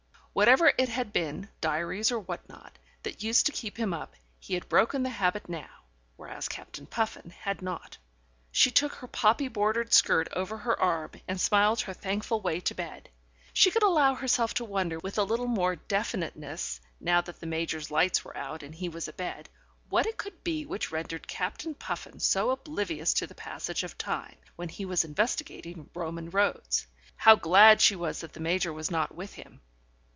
Whatever it had been (diaries or what not) that used to keep him up, he had broken the habit now, whereas Captain Puffin had not. She took her poppy bordered skirt over her arm, and smiled her thankful way to bed. She could allow herself to wonder with a little more definiteness, now that the Major's lights were out and he was abed, what it could be which rendered Captain Puffin so oblivious to the passage of time, when he was investigating Roman roads. How glad she was that the Major was not with him.